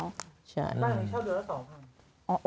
บ้านเราเช่าเดือนละ๒๐๐บาท